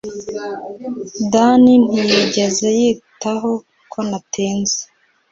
danny ntiyigeze yitaho ko natinze